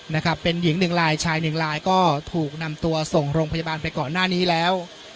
นะครับเป็นหญิงหนึ่งลายชายหนึ่งลายก็ถูกนำตัวส่งโรงพยาบาลไปก่อนหน้านี้แล้ว